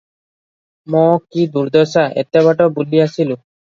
ମ-କି ଦୁର୍ଦ୍ଦଶା! ଏତେ ବାଟ ବୁଲି ଆସିଲି?